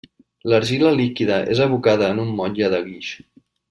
L'argila líquida és abocada en un motlle de guix.